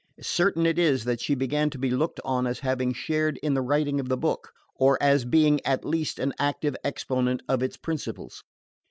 Certain it is that she began to be looked on as having shared in the writing of the book, or as being at least an active exponent of its principles.